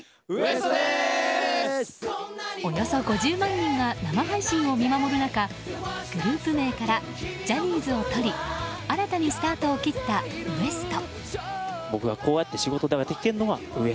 およそ５０万人が生配信を見守る中グループ名からジャニーズを取り新たにスタートを切ったＷＥＳＴ．。